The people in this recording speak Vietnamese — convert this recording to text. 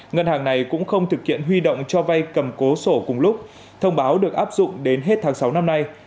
ngân hàng này cũng không thực hiện huy động cho vay cầm cố sổ cùng lúc thông báo được áp dụng đến hết tháng sáu năm nay